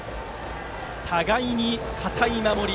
互いに堅い守り。